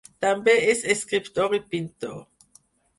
També és escriptor i pintor.